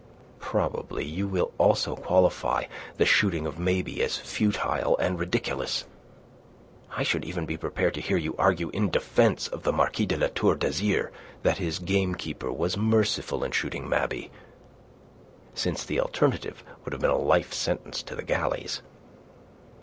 "Probably you will also qualify the shooting of Mabey as futile and ridiculous. I should even be prepared to hear you argue in defence of the Marquis de La Tour d'Azyr that his gamekeeper was merciful in shooting Mabey, since the alternative would have been a life sentence to the galleys."